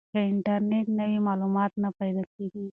که انټرنیټ نه وي معلومات نه پیدا کیږي.